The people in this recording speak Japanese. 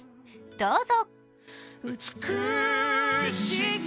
どうぞ！